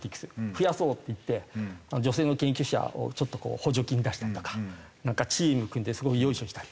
増やそうっていって女性の研究者をちょっとこう補助金出したりとかチーム組んですごいヨイショしたり。